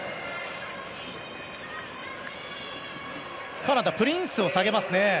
カナダ、プリンスを下げます。